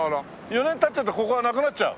４年経っちゃうとここはなくなっちゃう？